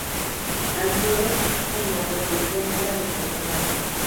El furor por la construcción era descontrolado.